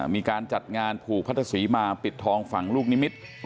มีการจัดงานผูกพัทธศรีมาปิดทองฝั่งลูกนิมิตร